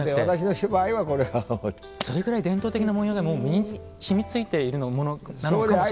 それぐらい伝統的な文様で身に染みついているものなのかもしれませんね。